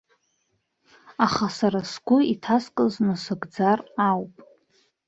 Аха сара сгәы иҭаскыз насыгӡар ауп.